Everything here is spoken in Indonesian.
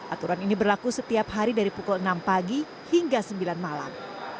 aturan ini berlaku setiap hari dari pukul enam pagi hingga sembilan malam